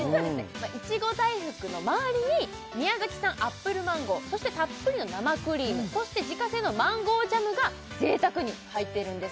今いちご大福の周りに宮崎産アップルマンゴーそしてたっぷりの生クリームそして自家製のマンゴージャムが贅沢に入っているんです